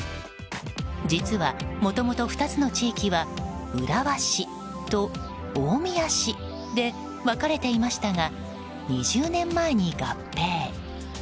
実は、もともと２つの地域は浦和市と大宮市で分かれていましたが２０年前に合併。